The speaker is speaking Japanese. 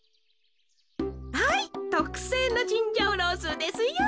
はいとくせいのチンジャオロースーですよ。